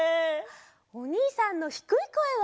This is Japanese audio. おにいさんのひくいこえは？